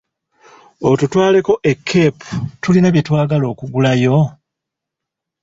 Otutwalako e Keepu tulina byetwagala okugulayo?